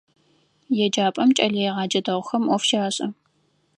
Еджапӏэм кӏэлэегъэджэ дэгъухэм ӏоф щашӏэ.